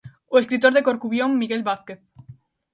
O escritor de Corcubión Miguel Vázquez.